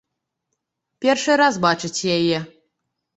Першы раз бачыць яе!